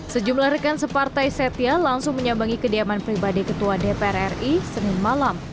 sejumlah rekan separtai setia langsung menyambangi kediaman pribadi ketua dpr ri senin malam